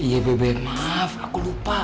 iya bebek maaf aku lupa